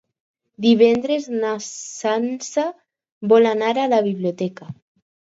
Divendres na Sança vol anar a la biblioteca.